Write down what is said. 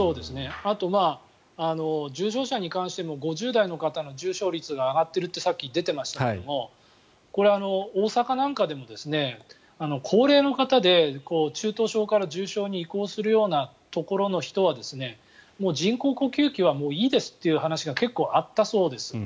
あと、重症者に関しても５０代の方の重症率が上がっているってさっき出ていましたけどこれ、大阪なんかでも高齢の方で中等症から重症に移行するようなところの人はもう人工呼吸器はいいですっていう話が結構あったそうです。